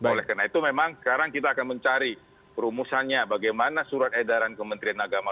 oleh karena itu memang sekarang kita akan mencari rumusannya bagaimana surat edaran kementerian agama